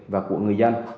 và của người dân